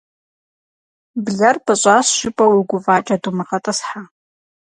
Блэр пӏыщӏащ жыпӏэу уи гуфӏакӏэ думыгъэтӏысхьэ.